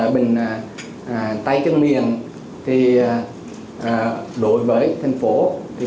bệnh tay chân miệng đổi với thành phố